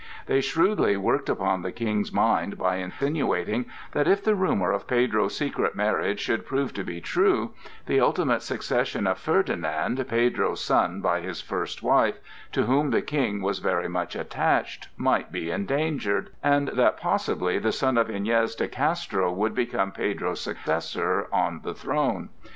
They shrewdly worked upon the King's mind by insinuating that if the rumor of Pedro's secret marriage should prove to be true, the ultimate succession of Ferdinand, Pedro's son by his first wife, to whom the King was very much attached, might be endangered, and that possibly the son of Iñez de Castro would become Pedro's successor on the throne.